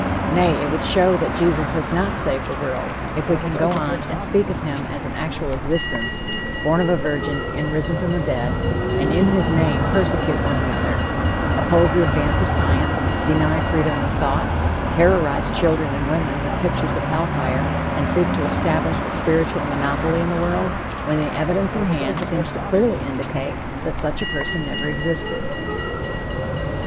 Nay, it would show that Jesus has not saved the world, if we can go on and speak of him as an actual existence, born of a virgin and risen from the dead, and in his name persecute one another oppose the advance of science, deny freedom of thought, terrorize children and women with pictures of hell fire and seek to establish a spiritual monopoly in the world, when the evidence in hand seems clearly to indicate that such a person never existed.